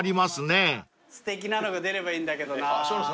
すてきなのが出ればいいんだけどな。